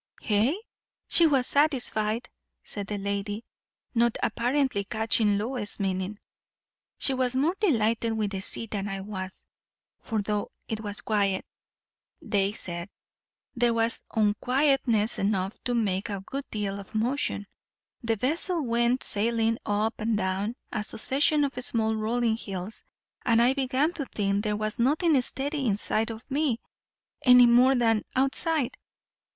"Hey? She was satisfied," said the lady, not apparently catching Lois's meaning; "she was more delighted with the sea than I was; for though it was quiet, they said, there was unquietness enough to make a good deal of motion; the vessel went sailing up and down a succession of small rolling hills, and I began to think there was nothing steady inside of me, any more than _out_side.